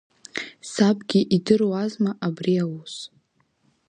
Сабгьы идыруазма абри аус?